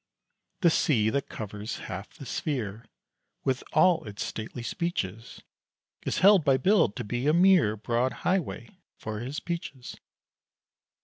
The sea that covers half the sphere, With all its stately speeches, Is held by Bill to be a mere Broad highway for his peaches.